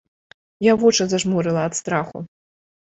Я вочы зажмурыла ад страху.